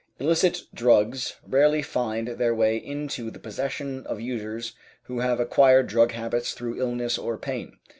Illicit drugs rarely find their way into the possession of users who have acquired drug habits through illness or pain.